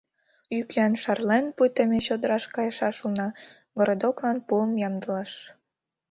— Йӱк-йӱан шарлен, пуйто ме чодыраш кайышаш улына, городоклан пуым ямдылаш.